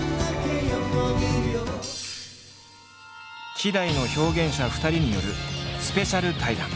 希代の表現者２人によるスペシャル対談。